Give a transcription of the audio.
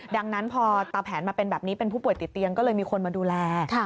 ดังนั้นพอตาแผนมาเป็นแบบนี้เป็นผู้ป่วยติดเตียงก็เลยมีคนมาดูแล